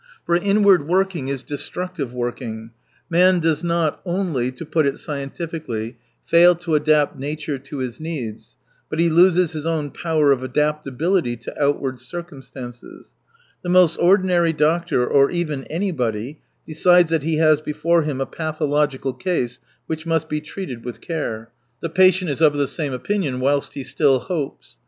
For inward working is destructive working. Man does not only, to put it scientifically, fail to adapt nature to his needs, but he loses his own power of adaptability to outward circumstances. The most ordinary doctor, or even anybody, decides that he has before him a pathological case which must be treated with care. The patient is 212 of tKe same opinion, whilst he still hope's.